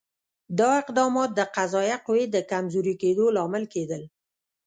دا اقدامات د قضایه قوې د کمزوري کېدو لامل کېدل.